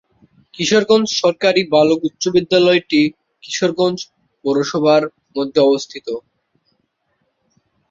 কিশোরগঞ্জ সরকারি বালক উচ্চ বিদ্যালয়টি কিশোরগঞ্জ পৌরসভার মধ্যে অবস্থিত।